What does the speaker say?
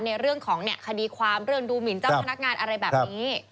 ในเรื่องของคดีความเรื่องดูหมินเจ้าพนักงานอะไรแบบนี้